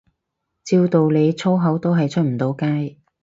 照道理粗口都係出唔到街